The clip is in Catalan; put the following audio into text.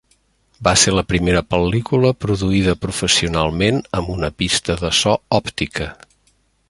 Va ser la primera pel·lícula produïda professionalment amb una pista de so òptica.